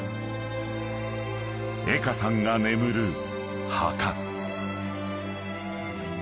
［江歌さんが眠る墓］